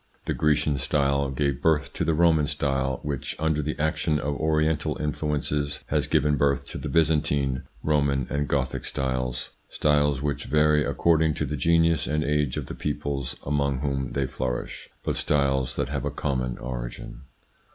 The Grecian style gave birth to the Roman style which, under the action of Oriental influences, has given birth to the Byzantine, Roman, and Gothic styles, styles which vary accord ing to the genius and age of the peoples among whom they flourished, but styles that have a common origin.